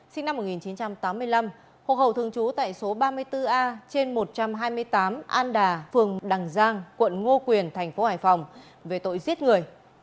sinh năm một nghìn chín trăm tám mươi năm hộ khẩu thường trú tại số ba mươi bốn a trên một trăm hai mươi tám an đà phường đằng giang quận ngo quyền tp hải phòng về tội giết người